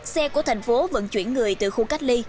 xe của thành phố vận chuyển người từ khu cách ly